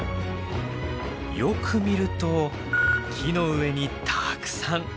よく見ると木の上にたくさん！